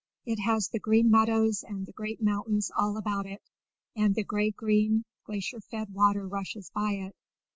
It has the green meadows and the great mountains all about it, and the gray green glacier fed water rushes by it.